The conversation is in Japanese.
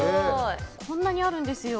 こんなにあるんですよ。